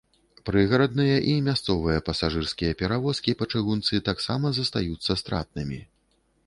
Прыгарадныя і мясцовыя пасажырскія перавозкі па чыгунцы таксама застаюцца стратнымі.